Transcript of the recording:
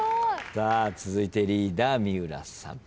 続いてリーダー三浦さん。